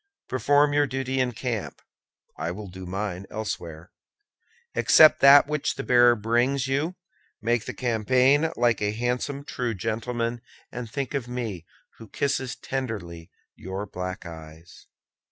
Perform your duty in camp; I will do mine elsewhere. Accept that which the bearer brings you; make the campaign like a handsome true gentleman, and think of me, who kisses tenderly your black eyes.